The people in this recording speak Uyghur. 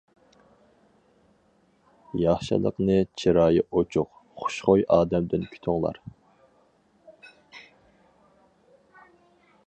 ياخشىلىقنى چىرايى ئۇچۇق، خۇشخۇي ئادەمدىن كۈتۈڭلار.